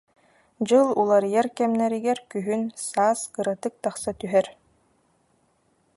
Дьыл уларыйар кэмнэригэр күһүн, саас кыратык тахса түһэр